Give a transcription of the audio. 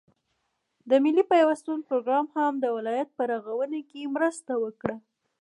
د ملي پيوستون پروگرام هم د ولايت په رغاونه كې مرسته وكړه،